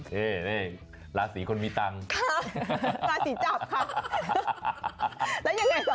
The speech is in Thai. เฮ่ยลาสีคนมีตังค์